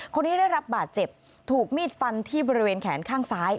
คนนี้ได้รับบาดเจ็บถูกมีดฟันที่บริเวณแขนข้างซ้าย